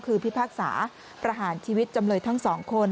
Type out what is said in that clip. คือพิพากษาประหารชีวิตจำเลยทั้งสองคน